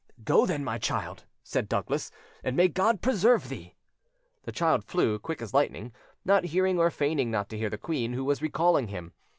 "Go, then, my child," said Douglas; "and may God preserve thee!" The child flew, quick as lightning, not hearing or feigning not to hear the queen, who was recalling him.